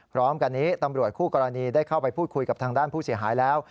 พร้อมกันนี้ตำรวจคู่กรณีได้เข้าไปพูดคุยกับทางด้านผู้เสียหายแล้ว